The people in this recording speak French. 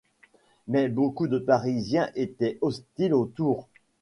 Mais beaucoup de Parisiens étaient hostiles aux tours.